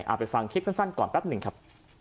เอาไปฟังคลิปสั้นก่อนแป๊บหนึ่งครับ